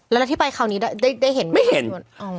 แล้วที่ไปคราวนี้ได้เห็นไหม